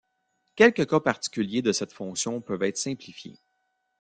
Quelques cas particuliers de cette fonction peuvent être simplifiés.